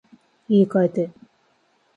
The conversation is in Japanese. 言い換えて